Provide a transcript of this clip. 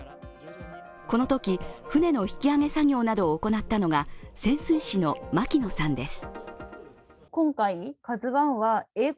このとき、船の引き揚げ作業などを行ったのが潜水士の槙野さんです。